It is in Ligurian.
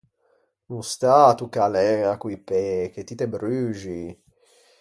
No stâ à toccâ l’æña co-i pê, che ti te bruxi.